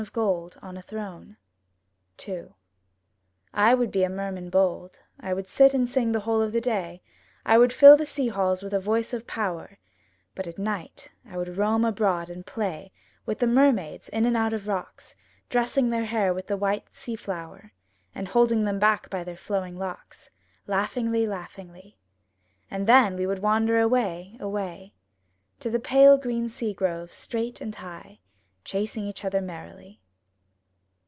95 MY BOOK HOUSE I would be a merman bold, I would sit and sing the whole of the day; I would fill the sea halls with a voice of power; But at night I would roam abroad and play With the mermaids in and out of the rocks, Dressing their hair with the white sea flower; And holding them back by their flowing locks Laughingly, laughingly; And then we would wander away, away, To the pale green sea groves straight and high, Chasing each other merrily.